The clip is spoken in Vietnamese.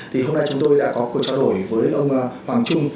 thì hôm nay chúng tôi đã có cuộc trao đổi với ông hoàng trung